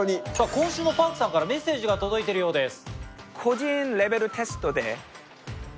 今週もＰａｒｋさんからメッセージが届いてるようです。